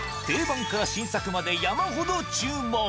定番から新作まで山ほど注文。